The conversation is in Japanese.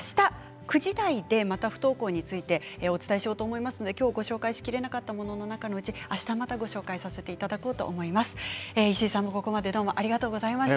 あした、９時台でまた不登校についてお伝えしようと思いますので、ご紹介しきれなかったもののはあした紹介させていただこうと思います。